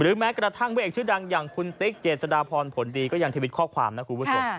แม้กระทั่งพระเอกชื่อดังอย่างคุณติ๊กเจษฎาพรผลดีก็ยังทวิตข้อความนะคุณผู้ชม